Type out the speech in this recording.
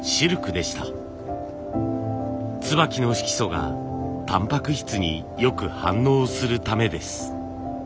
椿の色素がたんぱく質によく反応するためです。